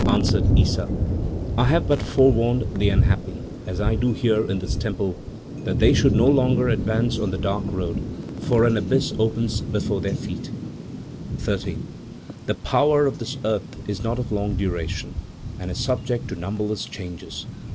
answered Issa. "I have but forewarned the unhappy, as I do here in this temple, that they should no longer advance on the dark road, for an abyss opens before their feet. 13. "The power of this earth is not of long duration and is subject to numberless changes.